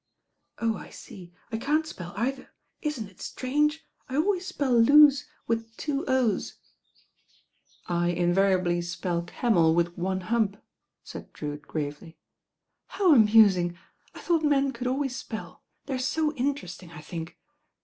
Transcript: "Oh, I see. I can't spell either. Isn't it strange. I always spell lose with two *o's.' " 118 THE RAIN OIRL I > "I invariably spell camel with one hump," said Drewitt gravely. "How amusing. I tfiought men could always spell. They're so interesting, I think.